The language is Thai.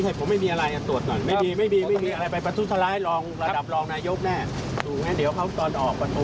หมอตรงนี้เหรอครับ